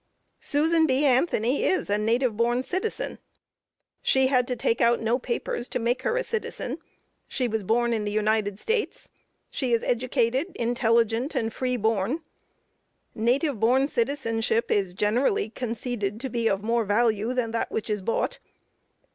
Susan B. Anthony is a native born citizen. She had to take out no papers to make her a citizen she was born in the United States she is educated, intelligent, and FREE BORN. Native born citizenship is generally conceded to be of more value than that which is bought.